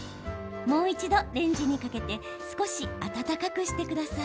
もう一度レンジにかけて少し温かくしてください。